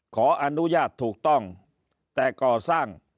ขออนุญาตถูกต้องแต่ก่อสร้าง